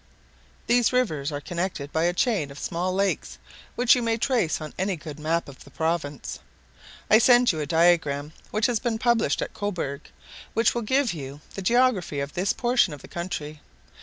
These rivers are connected by a chain of small lakes, which you may trace on any good map of the province. I send you a diagram, which has been published at Cobourg, which will give you the geography of this portion of the country.